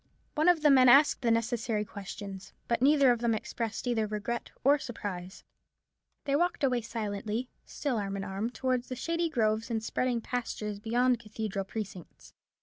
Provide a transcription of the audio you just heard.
One of the men asked the necessary questions. But neither of them expressed either regret or surprise. They walked away silently, still arm in arm, towards the shady groves and spreading pastures beyond the cathedral precincts.